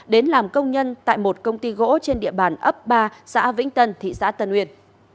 đến làm công nhân tại một công ty gỗ trên địa bàn ấp ba xã vĩnh tân thị xã tân uyên